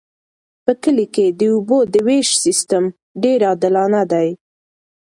په کلي کې د اوبو د ویش سیستم ډیر عادلانه دی.